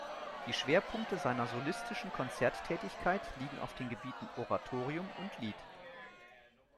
Die Schwerpunkte seiner solistischen Konzerttätigkeit liegen auf den Gebieten Oratorium und Lied.